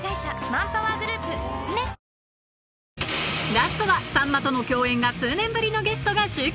ラストはさんまとの共演が数年ぶりのゲストが集結！